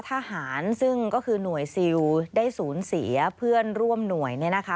ทหารซึ่งก็คือหน่วยซิลได้สูญเสียเพื่อนร่วมหน่วยเนี่ยนะคะ